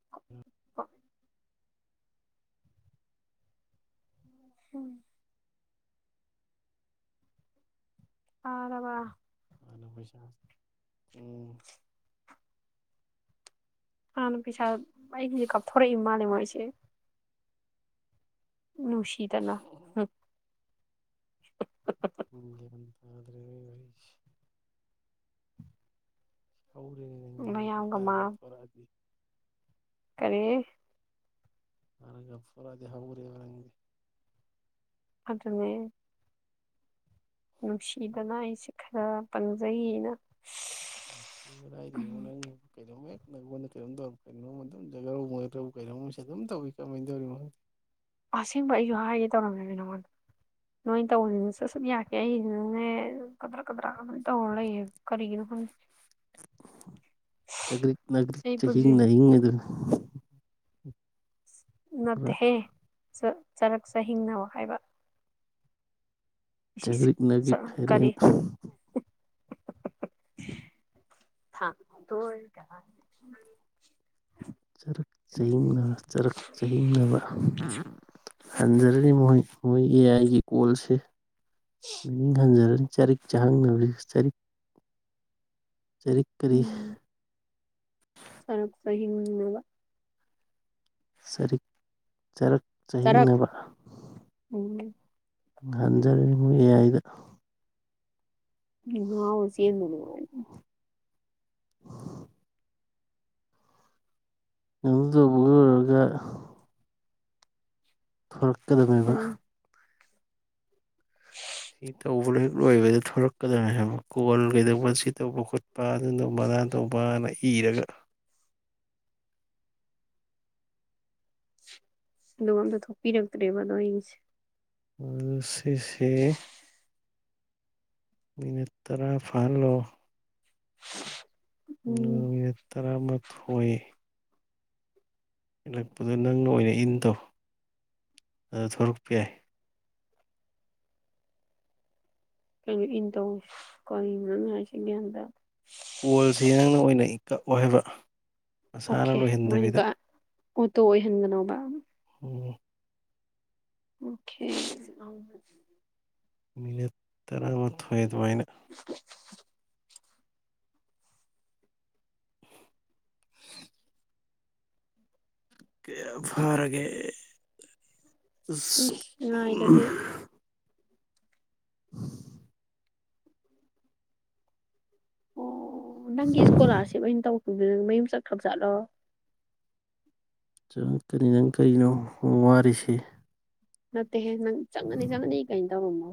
[inaudible] Arab ꯅ ꯄꯩꯁ ꯎꯝ ꯍꯥꯟꯅ ꯄꯩꯁꯥ ꯑꯩꯒꯤꯁꯦ ꯀꯞ ꯊꯣꯔꯛꯏ ꯃꯥꯜꯂꯤ ꯃꯣꯏꯁꯦ ꯅꯨꯡꯁꯤ ꯗꯥꯅ ꯎꯝ [inaudible] ꯍꯧꯔꯦꯅꯦ ꯅꯪꯗꯤ ꯃꯌꯥꯝꯒ ꯍꯥꯟ ꯃꯥ ꯀꯞꯊ‌ꯣꯔꯛꯑꯗꯤ ꯀꯔꯤ ꯍꯟꯗꯛꯀ ꯐꯔꯗꯤ ꯍ‌‌ꯎꯔꯦ ꯅꯪꯗꯤ ꯑꯗꯨꯅꯦ ꯅꯨꯡꯁꯤꯗꯅꯏ ꯑꯩꯁꯤ ꯈꯔ ꯄꯪꯖꯩꯌ‌ꯦꯅ ꯀꯗꯥꯏꯗꯩꯅ‌ꯣ ꯅꯪ ꯀꯩꯅ‌ꯣꯝ ꯍ‌ꯦꯛ ꯃ‌ꯣꯏꯅ ꯀꯩꯅꯣꯝ ꯇꯧꯔ ꯀꯩꯅꯣꯝ ꯑꯗꯨꯝ ꯍ‌ꯦꯛꯇ ꯀꯩꯅꯣꯝꯁꯦ ꯑꯗꯨꯝ ꯇꯧꯋꯤ ꯀꯃꯥꯏꯅ ꯇꯧꯔꯤꯅ‌ꯣ ꯈꯪꯗ‌ꯦ ꯑꯁꯦꯡꯕ ꯑꯩꯁꯨ ꯍꯥꯏꯒꯦ ꯇꯧꯔꯝꯃꯤꯅꯤ ꯅꯉꯣꯟꯗ ꯅꯣꯏ ꯇꯧꯕꯅꯤꯅ ꯁꯠ ꯁꯠ ꯌꯥꯒꯤ ꯑꯩꯁꯤ ꯅꯪꯅꯦ ꯀꯗ꯭ꯔꯥ ꯀꯗ꯭ꯔꯥ ꯑꯗꯨꯃꯅ ꯇꯧꯔ ꯂꯩꯌꯦꯕ ꯆꯒ꯭ꯔꯤꯛ ꯑꯩ ꯄꯨꯟꯁꯤ ꯆꯍꯤꯡ ꯅꯥꯍꯤꯡ ꯍꯥꯏꯗꯨꯅꯤ ꯅꯠꯇꯦ ꯄꯨꯔꯥ ꯍ‌ꯦ ꯆꯔꯛ ꯆꯥꯍꯤꯡꯅꯕꯥ ꯍꯥꯏꯕ ꯆꯥꯒꯔꯤꯛ ꯅꯔꯤꯛ ꯀꯔꯤ ꯍꯩꯔꯦꯟ [inaudible] ꯆꯔꯛ ꯆꯤꯡꯅꯕ ꯆꯔꯛ ꯆꯍꯤꯡꯅꯕ ꯍꯟꯖꯔꯅꯤ ꯃꯣꯏ ꯃꯣꯏꯒꯤ ꯑꯦ ꯑꯥꯏꯒꯤ ꯀꯣꯜꯁꯦ ꯃꯤꯅꯤꯡ ꯍꯟꯖꯔꯅꯤ ꯆꯔꯤꯛ ꯆꯍꯥꯡꯅꯔꯤ ꯆꯔꯤꯛ ꯆꯔꯤꯛ ꯀꯔꯤ ꯃꯔꯛ ꯆꯍꯤꯡꯅꯥꯕ ꯆꯔꯤꯛ ꯆꯔꯛ ꯇꯔꯛ ꯆꯥꯍꯤꯡꯅꯕ ꯎꯝ ꯍꯟꯖꯔꯉ ꯑꯦ ꯑꯏꯗ ꯆꯦ ꯍꯗꯨ ꯎꯔꯒ ꯊꯣꯔꯛꯀꯗꯅꯦꯕ ꯎꯝ [unintelligible] ꯁꯤ ꯇꯧꯕ ꯂꯣ ꯍꯦꯛ ꯂꯣꯏꯕꯗ ꯊꯂꯛꯀꯗ꯭ꯔꯥ ꯍꯥꯏꯕ ꯀꯒꯣꯜ ꯀꯩꯗꯧꯕ ꯁꯤ ꯇꯧꯕ ꯈꯣꯠꯄ ꯑꯗꯨꯗꯕꯅꯥ ꯇꯧꯕꯅ ꯏꯔꯒ ꯑꯗꯨꯒ ꯑꯝꯇ ꯊꯣꯛꯄꯤꯔꯛꯇ꯭ꯔꯦꯕ ꯑꯗꯣ ꯑꯩꯁꯦ ꯎ ꯁꯤ ꯁꯤꯦ ꯃꯤꯅ ꯇꯔꯥ ꯐꯜꯂꯣ [unintelligible] ꯎꯝ ꯌꯦꯠꯇꯔ ꯊꯣꯏ ꯏꯠꯂꯛꯄꯗꯣ ꯅꯪꯅ ꯑꯣꯏꯅ ꯏꯟ ꯇꯧ ꯑꯗꯨ ꯊꯣꯔꯛꯄ ꯌꯥꯏ ꯀꯩꯅꯣ ꯏꯟꯗꯧ ꯀ ꯉꯥꯏꯁꯤꯦ ꯟꯗ ꯀꯣꯜꯁꯦ ꯅꯪꯅ ꯑꯣꯏꯅꯏ ꯇ ꯑꯣꯏ ꯍꯥꯏꯕ ꯃꯁꯥꯅ ꯑꯣꯀꯦ ꯃꯣꯏꯅ ꯂꯣꯏꯍꯟꯗꯕꯤꯗ ꯑꯣꯇꯣ ꯑꯣꯏꯍꯟꯒꯅꯧꯕ ꯎꯝ ꯑꯣꯀꯦ ꯃꯤ ꯇꯔꯥ ꯑꯃ ꯑꯗꯨ ꯋꯥꯩꯅ ꯀ ꯐꯚꯥꯔꯦ ꯏꯁ ꯉꯥꯏꯗꯗꯤ [unintelligible] ꯑꯣ ꯅꯪꯒꯤ ꯏꯁꯀꯣꯂꯥꯔꯁꯤꯞ ꯑ ꯑꯣꯏꯅ ꯇꯧ ꯃꯌꯨꯝ ꯆꯠꯈ꯭ꯔꯕ ꯆꯥꯠꯂꯣ ꯆꯪꯉꯛꯀꯅꯤ ꯅꯪ ꯀꯔꯤꯅꯣ ꯋꯥꯔꯤꯔꯤꯁꯤꯦ ꯑ ꯍꯦ ꯅꯪ ꯆꯪꯉꯅꯤ ꯆꯪꯒꯅꯤ ꯀꯩꯅ ꯇꯧꯔꯝꯃꯣ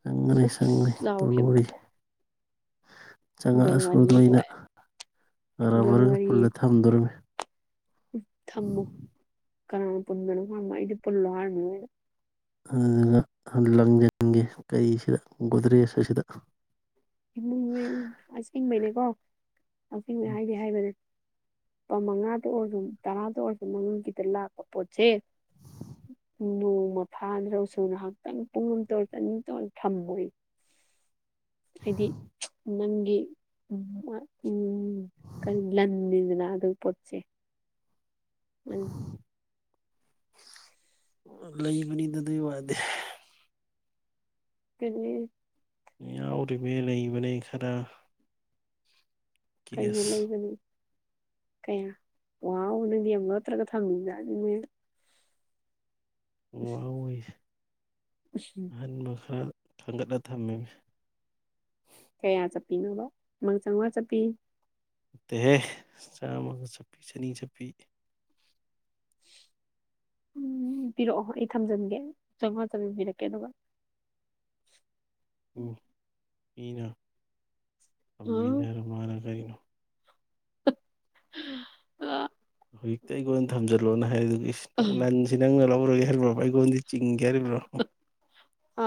ꯆꯉꯅꯤ ꯆꯉꯅꯤ ꯅꯅꯔꯤ ꯗꯣꯟ ꯆꯪꯉꯛꯑꯁꯨꯗꯣ ꯋꯥꯔꯤꯁꯨ ꯑꯩꯅ ꯗꯣꯟ ꯕꯔꯒ ꯄꯨꯜꯂ ꯊꯝꯗꯣꯔꯝꯃꯤ ꯊꯝꯃꯣ ꯀꯅꯥ ꯄꯨꯟꯅꯃ ꯏꯗꯤ ꯄꯨꯜꯂ ꯍꯥꯜꯃꯤ ꯑꯗꯨꯒ ꯂꯪꯖꯪꯒꯦ ꯀꯩꯁꯤꯗ ꯒꯨꯗ꯭ꯔꯦꯖ ꯑꯁꯤꯗ ꯑꯁꯤꯡ ꯃꯅꯦ ꯋꯥ ꯑꯅ ꯍꯥꯏꯗꯤ ꯍꯥꯏꯕꯅꯦ ꯂꯨꯄꯥ ꯃꯉꯥꯗ ꯑꯣꯏꯔꯁꯨ ꯇꯔꯥꯗ ꯑꯣꯏꯔꯁꯨ ꯃꯉꯒꯤꯗ ꯂꯥꯛꯄ ꯄꯣꯠꯁꯦ ꯅꯣꯡꯃ ꯐꯥꯗ꯭ꯔꯣꯁꯨ ꯉꯥꯏꯍꯥꯛꯇꯪ ꯄꯨꯡ ꯑꯃꯇ ꯑꯣꯏꯔ ꯆꯅꯤꯇ ꯑꯣꯏ ꯊꯝꯃꯣꯏ ꯍꯥꯏꯗꯤ ꯅꯪꯒꯤ ꯎ ꯀꯔꯤ ꯂꯟꯅꯤꯗꯅ ꯑꯗꯨꯒꯤ ꯄꯣꯠꯁꯦ ꯎꯝ [unintelligible] ꯂꯩꯕꯅꯤ ꯑꯗꯨ ꯑꯗꯨ ꯀꯅꯤ ꯌꯥꯎꯔꯤꯕ ꯂꯩꯕꯅꯦ ꯈꯔ ꯀꯩꯕꯨ ꯀꯦꯁ ꯂꯩꯕꯅꯤ ꯀꯌꯥ ꯋꯥꯅꯗꯤꯦꯝ ꯅꯠꯇ꯭ꯔꯒ ꯊꯝꯃꯤꯕ ꯑꯗꯨꯅꯦ ꯎ ꯑꯣꯏꯣꯏꯁ ꯑꯍꯟ ꯃꯁꯥꯜ ꯈꯥꯡꯒꯠꯂ ꯊꯝꯃꯤ ꯀꯌꯥ ꯆꯠꯄꯤꯅꯣꯕ ꯏꯃꯪ ꯆꯥꯝꯃꯉꯥ ꯆꯠꯄꯤ ꯗꯦꯍꯦ ꯆꯥꯝꯃꯒ ꯆꯠꯄꯤ ꯆꯅꯤ ꯆꯠꯄꯤ ꯎꯝ ꯄꯤꯔꯛꯑꯣ ꯑꯩ ꯊꯝꯖꯟꯒꯦ ꯆꯝꯉ ꯆꯥꯕꯤꯕꯤꯔꯛꯀꯦ ꯑꯗꯨꯒ ꯎꯝ ꯏꯅ ꯎꯝ ꯑꯃꯤꯅꯦꯔ ꯃꯥꯔ ꯀꯔꯤꯅꯣ ꯑ ꯍꯧꯖꯤꯛꯇ ꯑꯩꯈꯣꯟ ꯑꯣꯏꯅ ꯊꯝꯖꯔꯒꯦ ꯂꯣꯟꯅ ꯍꯥꯏ ꯂꯥꯟꯁꯤꯅꯪꯅꯂ ꯍꯔꯒꯦꯔꯔꯕꯕꯄ ꯑꯩꯒꯣꯟ ꯆꯤꯡ ꯑ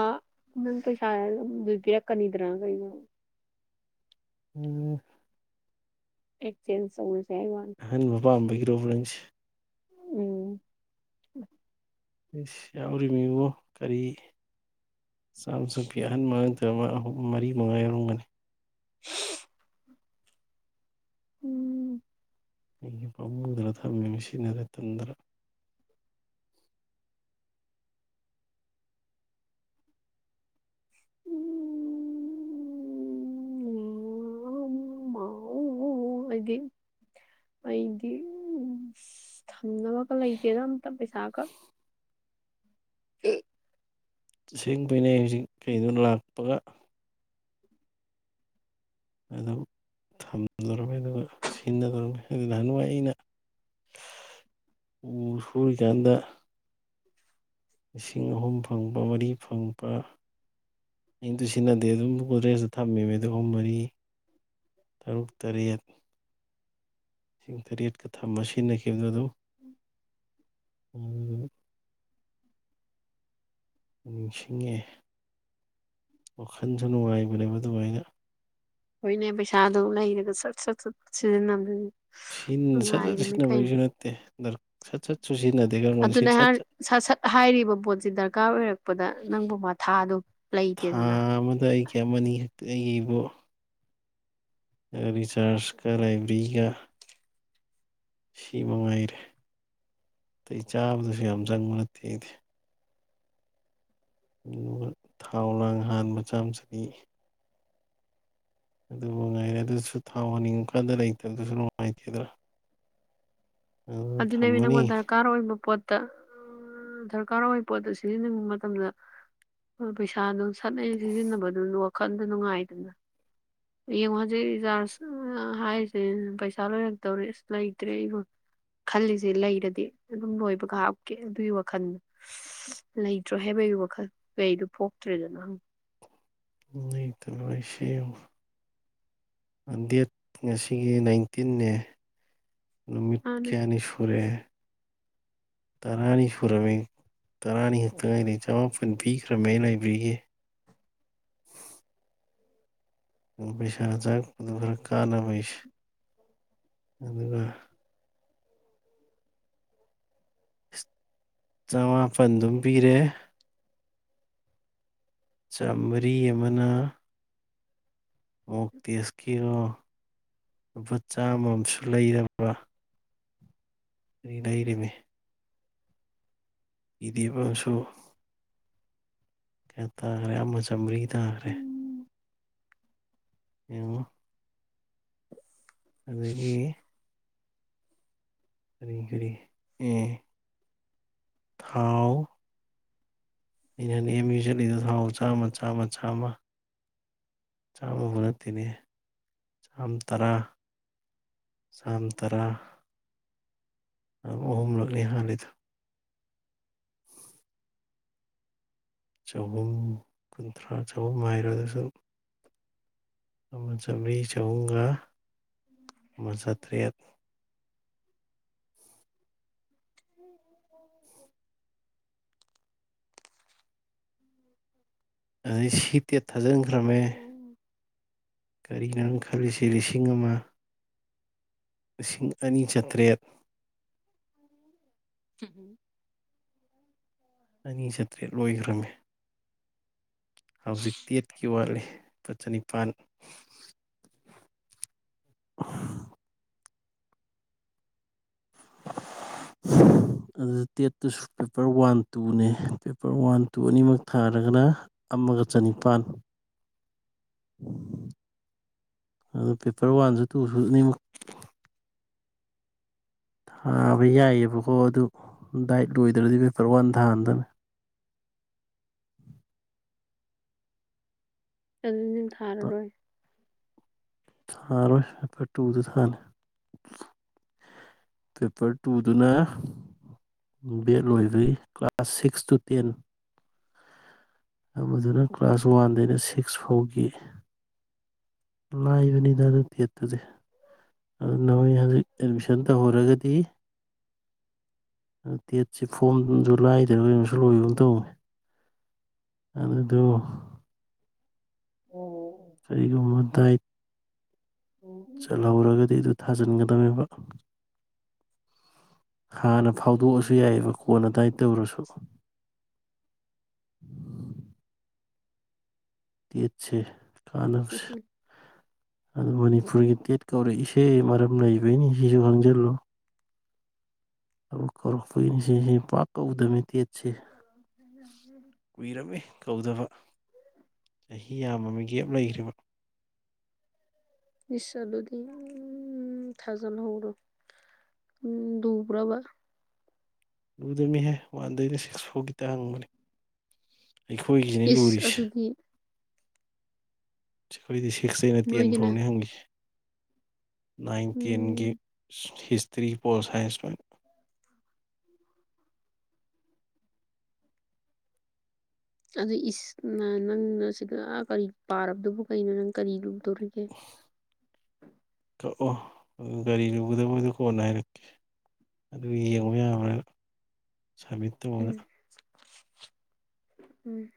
ꯅꯪ ꯄꯩꯁꯥ ꯑꯗꯨꯕꯤꯔ ꯀꯅꯤꯗꯔꯥ ꯀꯩ ꯑꯣ ꯑꯦ ꯆ ꯁ ꯑꯍꯟ ꯃꯄꯥꯥꯝꯕꯒꯤ ꯄ꯭ꯔꯣꯕꯦꯟꯁ ꯎꯝ ꯏꯁ ꯌꯥꯎꯔꯤꯃꯤꯕꫭ ꯀꯔꯤ ꯆꯥꯝꯆꯄꯤ ꯑꯍꯟꯕ ꯉꯥꯛꯇ ꯑꯍꯨꯝ ꯃꯔꯤ ꯃꯉꯥ ꯌꯥꯎꯔꯝꯒꯅꯤ [unintelligible] ꯎꯝ ꯑꯩꯒꯤ ꯄꯥꯃꯨꯗꯅ ꯊꯝꯃꯤ ꯁꯤꯟꯅꯗ ꯇꯟꯗꯅ ꯎ ꯃꯥꯑꯣ ꯑꯩꯗꯤ ꯑꯩꯗꯤ ꯎꯁ ꯊꯝꯅꯕꯒ ꯂꯩꯇꯦꯗ ꯑꯝꯇ ꯄꯩꯁꯥꯒ [unintelligible] ꯍꯨꯖꯤꯛ ꯀꯩꯩꯅꫭ ꯂꯥꯛ [unintelligible] ꯑꯗꯨꯝ ꯊꯝꯗꫭꯔꯝꯃꯦ ꯑꯗꯨꯒ ꯁꯤꯟꯅꯗꯧꯔꯝꯃꯦ ꯑꯗꯨ ꯅꯍꯥꯟꯋꯥꯏ ꯑꯩꯅ ꯎ ꯁꯨꯔꯤꯀꯥꯟꯗ ꯂꯤꯁꯤꯡ ꯑꯍꯨꯝ ꯐꯪꯕ ꯃꯔꯤ ꯐꯪꯕ ꯀꯩꯝꯇ ꯁꯤꯖꯤꯟꯅꯗꯦ ꯑꯗꯨꯝ ꯒꯣꯗꯔꯦꯖꯇ ꯊꯝꯃꯤꯃꯤ ꯑꯍꯨꯝ ꯃꯔꯤ ꯇꯔꯨꯛ ꯇꯔꯦꯠ ꯂꯤꯁꯤꯡ ꯇꯔꯦꯠꯀ ꯊꯝꯃ ꯁꯤꯖꯤꯟꯅꯈꯤꯕꯗꯨ ꯑꯗꯨꯝ [unintelligible] [unintelligible] ꯅꯤꯡꯁꯤꯡꯉꯦ ꯋꯥꯈꯜꯁꯨ ꯅꯨꯡꯉꯥꯏꯕꯅꯦꯕ ꯑꯗꯨꯃꯥꯏꯅ ꯍꯣꯏꯅꯦ ꯄꯩꯁꯥꯗꯣ ꯂꯩꯔꯒ ꯁꯠ ꯁꯠ ꯁꯠ ꯁꯤꯖꯤꯟꯅꯕꯗꯨꯅꯦ ꯁꯤꯟ ꯁꯠ ꯁꯠ ꯁꯤꯖꯤꯟꯅꯕꯩꯁꯨ ꯅꯠꯇꯦ ꯁꯠ ꯁꯠ ꯁꯤꯖꯤꯟꯅꯗꯦ ꯈꯪꯕ ꯁꯤ ꯑꯗꯨꯅꯦ ꯁꯠ ꯁꯠ ꯄꯗ ꯅꯪꯕꯨ ꯃꯊꯥꯗꯨ ꯊꯥ ꯑꯃꯗ ꯑꯩꯒꯤ ꯑꯃꯅꯤ ꯈꯛꯇ ꯑꯩꯒꯤꯕꯨ ꯔꯤꯆꯥꫪꯖ ꯀ ꯂꯥꯏꯕ꯭ꯔꯤꯒ ꯁꯤ ꯃꯉꯥꯏꯔꯦ ꯑꯇꯩ ꯆꯥꯕꯗꯨꯁꯨ ꯌꯥꯝ ꯆꯪꯕ ꯅꯠꯇꯦ ꯑꯩꯗꯤ ꯑꯗꯨꯒ ꯊꯥꯎ ꯂꯥꯡ ꯍꯥꯟꯕ ꯆꯥꯥꯝ ꯆꯅꯤ ꯑꯗꯨꯃ ꯉꯥꯏꯔꯦ ꯑꯗꯨꯁꯨ ꯊꯥꯎ ꯍꯥꯟꯅꯤꯡꯉꯨꯀꯥꯟꯗ ꯂꯩꯇꯕꯗꯨꯁꯨ ꯅꯨꯡꯉꯥꯏꯇꯦꯗꯅ ꯑꯗꯨꯅ ꯑꯗꯨ ꯅꯪꯕꯨ ꯊꯝꯃꯅꯤ ꯗꫪꯀꯥꫪ ꯑꯣꯏꯕ ꯄꯣꯠ ꯇ ꯗꫪꯀꯥꫪ ꯑꯣꯏ ꯄꯣꯠꯇꯣ ꯁꯤꯖꯟꯅꯅꯤꯡꯕ ꯃꯇꯝꯗ ꯄꯩꯁꯥ ꯅꯨꯡ ꯁꯠ ꯍꯦꯛ ꯁꯤꯖꯤꯟꯅꯕꯗꯨꯏ ꯋꯥ ꯈꯟꯗꯨ ꯅꯨꯡꯉꯥꯏꯗꯅ ꯌꯦꯡꯉꯣ ꯍꯧꯖꯤꯛ ꯔꯤꯆꯥꯥꯔꯖ ꯍꯥꯏꯁꯦ ꯄꯩꯁꯥ ꯂꯣꯏꯔꯛꯇꯧꯔꯦ ꯑꯁ ꯂꯩꯇ꯭ꯔꯦ ꯑꯩ ꯈꯜꯂꯤꯁꯦ ꯂꯩꯔꯗꯤ ꯑꯗꯨꯝ ꯂꯣꯏꯕꯒ ꯍꯥꯞꯀꯦ ꯑꯗꯨꯒꯤ ꯋꯥꯈꯜ ꯂꯩꯇ꯭ꯔꯦ ꯍꯥꯏꯕꯒꯤ ꯋꯥꯈꯜ ꯀꯩꯗꯨ ꯄꯣꯛꯇ꯭ꯔꯦꯗꯅ [unintelligible] ꯗꯦꯠ ꯉꯁꯤꯒꯤ ꯅꯥꯏꯟꯇꯤꯟꯅꯦ ꯅꯨꯃꯤꯠ ꯃꯥꯅꯦ ꯀꯌꯥꯅꯤ ꯁꯨꯔꯦ ꯇꯔꯥꯅꯤ ꯁꯨꯔꯝꯃꯤ ꯇꯔꯥꯅꯤ ꯈꯛꯇꯉꯥꯏꯔꯤ ꯆꯃꯥꯄꯟ ꯄꯤꯈ꯭ꯔꯃꯦ ꯂꯥꯏꯕ꯭ꯔꯤꯒꯤ ꯄꯩꯁꯥ ꯆꯥꯔꯄꯗꯨ ꯈꯔ ꯀꯥꯟꯅꯕꯩꯁꯦ ꯑꯗꯨꯒ ꯆꯃꯥꯄꯜꯗꯨꯝ ꯄꯤꯔꯦ ꯆꯥꯝꯃꯔꯤ ꯑꯃꯅ ꯃꫭꯛ ꯇꯦꯁꯀꯤꯔꯣ ꯂꯨꯄꯥꯆꯥꯥꯃꯝꯨ ꯂꯩꯔꯕ ꯑ ꯂꯩꯔꯃꯦ ꯏꯗꯤꯕꯁꯨꯣ ꯀꯠꯇꯈ꯭ꯔꯦ ꯁꯝ꯭ꯔꯤ ꯇꯈꯔꯦ ꯑꯦꯉ ꯑꯗꯒꯤ ꯑꯗꯨꯈꯔꯤ ꯊꯥꯎ ꯑꯩꯅ ꯅ ꯑꯦꯝ ꯌꯨꯁꯤꯠꯂꯤꯗ ꯊꯥꯎ ꯆꯥꯝꯃ ꯆꯥꯝꯃ ꯆꯥꯝꯃ ꯆꯥꯝꯃꯒ ꯅꯠꯇꯤꯅꯤ ꯆꯥꯝ ꯇꯔꯥ ꯆꯥꯝ ꯇꯔꯥ ꯑꯍꯨꯝꯂꯛꯅꯤ ꯍꯥꯟꯅꯗ ꯆꯍꯨꯝ ꯀꯨꯟꯊ꯭ꯔꯥ ꯆꯍꯨꯝ ꯍꯥꯏꯔ ꯑꯗꯨꯁꯨ ꯑꯃ ꯆꯔꯤ ꯆꯎꯨꯡꯒꯥ ꯃ ꯆꯇꯦꯠ ꯎꯝ ꯎ ꯎꯝ ꯑꯗꯩ ꯁꯤ ꯇꯦꯠ ꯊꯥꯖꯤꯟꯈ꯭ꯔꯝꯃꯦ ꯀꯔꯤꯅꯣꯪ ꯈꯜꯂꯤꯁ ꯂꯤꯁꯤꯡ ꯑꯃ ꯂꯤꯁꯤꯡ ꯑꯅꯤ ꯆꯥꯇ꯭ꯔꯦꯠ ꯎꯝꯝ ꯑꯅꯤ ꯆꯠꯇ꯭ꯔꯦ ꯂꯣꯏꯈ꯭ꯔꯝꯃꯤ ꯍꯧꯖꯤꯛꯇ ꯇꯦꯠꯀꯤ ꯋꯥꯠꯂꯤ ꯂꯨꯄꯥ ꯆꯅꯤꯄꯥꯜ ꯑꯗꯨꯗ ꯇꯦꯠꯇꯁꯨ ꯄꯦꯄꯔ ꯋꯥꯟ ꯇꯨꯅꯦ ꯄꯦꯄꯔ ꯋꯥꯟ ꯇꯨ ꯑꯅꯤꯃꯛ ꯊꯥꯔꯒꯅ ꯑꯃꯒ ꯆꯅꯤꯄꯥꯜ ꯑꯗꯨ ꯄꯦꯄꯔ ꯋꯥꯟꯁꯨ ꯇꯨꯁꯨ ꯑꯅꯤꯃꯨꯛ ꯊꯥꯕ ꯌꯥꯏꯑꯕꯀꯣ ꯑꯗꯨ ꯗꯥꯏꯠ ꯂꯣꯏꯗ꯭ꯔꯗꯤ ꯄꯦꯄꯔ ꯋꯥꯟ ꯊꯥꯍꯟꯗꯅ ꯎ ꯊꯔꯔꯣꯏ ꯁꯔꯣ ꯀ ꯇꯨꯗ ꯁꯜ ꯄꯦꯄꯔ ꯇꯨꯗꯨꯅ ꯕꯦꯠ ꯂꯣꯏꯕꯩ ꯀ꯭ꯂꯥꯁ ꯁꯤꯛꯁ ꯇꯨ ꯇꯦꯟ ꯑꯃꯗꯨꯅ ꯀ꯭ꯂꯥꯁ ꯋꯥꯟꯗꯩꯅ ꯁꯤꯛꯁ ꯐꯥꯎꯈꯤ ꯂꯥꯏꯕꯅꯤꯗ ꯑꯗꯨ ꯊꯦꯠꯇꯗꯤꯦ ꯑꯗꯨꯅ ꯃꯣꯏ ꯍꯧꯖꯤꯛ ꯑꯦꯠꯃꯤꯁꯟ ꯇꯧꯍꯧꯔꯒꯗꯤ ꯇꯦꯠꯁꯦ ꯐꯣꯝꯁꯨ ꯂꯥꯏꯗ꯭ꯔꯒꯝꯁꯨ ꯂꯣꯏꯕ ꯇꯧꯋꯤ ꯑꯗꯨꯗ ꯁꯔꯤꯀ ꯃꯍꯃꯠ ꯗꯥꯏꯠ ꯆꯂ ꯍꯧꯔꯒꯗꯤ ꯏ ꯊꯥꯖꯤꯟꯒꯗꯅꯦꯕ ꯍꯥꯟꯅ ꯐꯥꯎꯗꯣꯛꯑꯁꯨ ꯌꯥꯏꯑꯕ ꯀꯣꯟꯅ ꯑꯗꯨꯗꯥꯋꯥꯏ ꯇꯧꯔꯁꯨꯣ ꯇ ꯎꯆ ꯀꯥꯟꯅꯕꯁꯦ ꯑꯗꯨ ꯃꯅꯤꯄꯨꯔꯒꯤ ꯇꯦꯠ ꯀꯧꯔꯛꯏꯁꯦ ꯃꯔꯝ ꯂꯩꯕꯩꯅꯤ ꯁꯤꯁꯨ ꯈꯪꯖꯤꯜꯂꯨ ꯍꯧ ꯀꯧꯔꯛꯄꯏꯅ ꯁꯤꯁꯤ ꯄꯥꯛ ꯀꯧꯗꯃꯤ ꯗꯦꯠꯁꯦ ꯀꯨꯏꯔꯝꯃꯤ ꯀꯧꯗꯕ ꯆꯍꯤ ꯌꯥꯝꯕ ꯃꯤ ꯒꯦꯞ ꯂꯩꯈ꯭ꯔꯦꯕ ꯃꯤꯁꯥ ꯑꯗꯨꯗꯤ ꯎꯝ ꯊꯥꯖꯅ ꯍꯔꯣ ꯎ ꯕ꯭ꯔꯥꯕ ꯂꯨꯗꯃꯤꯍꯦ ꯋꯥꯟꯗꯗꯤ ꯁꯤꯛꯁ ꯐꯥꯎ ꯈꯤꯇ ꯍꯪꯕꯅꯤ ꯑꯩꯈꯣꯏꯒꯤꯅꯦ ꯏꯁ ꯂꯨꯔꯤꯁꯦ ꯑꯗꯨꯗꯤ ꯀꯗꯤꯁꯤ ꯁꯤꯛꯁꯩꯅ ꯇꯦꯟ ꯅꯣꯏꯒꯤꯅ ꯐꯥꯎꯅꯤ ꯍꯪꯈꯤ ꯅꯥꯏꯟꯇꯤꯟꯒꯤ ꯎꯝ ꯍꯤꯁꯇ꯭ꯔꯤ ꯄꯣ ꯁꯥꯏꯟꯁ ꯃ ꯑꯗꯨ ꯏꯁꯅ ꯅꯪꯅ ꯁꯤꯗ ꯀꯔꯤ ꯄꯥꯔꯕꯗꯨꯕꯨ ꯀꯩꯅꯣ ꯅꯪ ꯀꯔꯤ ꯇꯨꯔꯒꯤꯦ ꯑꯣ ꯒꯥꯔꯤ ꯂꯨꯒꯗꯕꯗꯣ ꯀꯣꯟꯅ ꯍꯥꯏꯔꯛꯀꯦ ꯑꯗꯨ ꯌꯦꯡꯕ ꯌꯥꯕ꯭ꯔꯥ ꯁꯃꯤꯠꯇꯅ ꯎꯝ ꯎꯝ